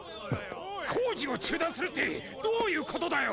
工事を中断するってどういうことだよ！